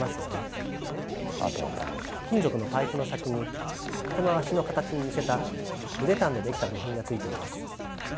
金属のパイプの先に人の足の形に似せたウレタンで出来た部品がついています。